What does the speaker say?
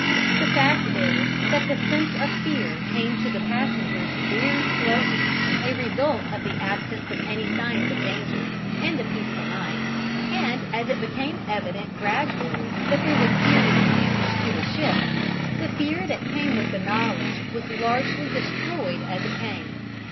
The fact is that the sense of fear came to the passengers very slowly a result of the absence of any signs of danger and the peaceful night and as it became evident gradually that there was serious damage to the ship, the fear that came with the knowledge was largely destroyed as it came.